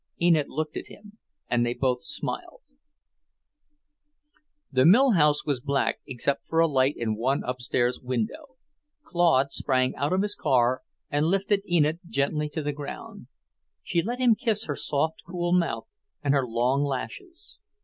Enid looked at him, and they both smiled. The mill house was black except for a light in one upstairs window. Claude sprang out of his car and lifted Enid gently to the ground. She let him kiss her soft cool mouth, and her long lashes.